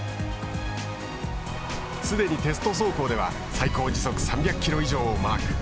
すでにテスト走行では最高時速３００キロ以上をマーク。